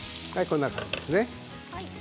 こんな感じですね。